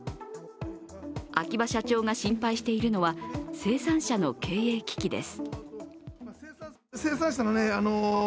秋葉社長が心配しているのは生産者の経営危機です。